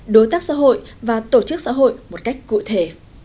đối tác xã hội và tổ chức xã hội một cách cụ thể